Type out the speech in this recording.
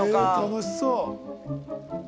楽しそう。